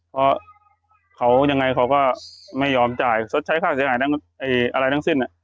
เพราะเขายังไงเขาก็ไม่ยอมจ่ายชดใช้ค่าเสียหายอะไรทั้งสิ้น